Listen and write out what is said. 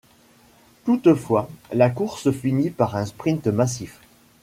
Toutefois, la course se finit par un sprint massif.